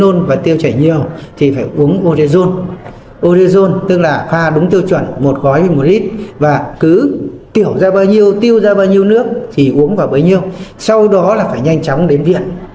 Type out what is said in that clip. nôn và tiêu chảy nhiều thì phải uống orezon orezon tức là pha đúng tiêu chuẩn một gói một lít và cứ tiểu ra bao nhiêu tiêu ra bao nhiêu nước thì uống vào bao nhiêu sau đó là phải nhanh chóng đến viện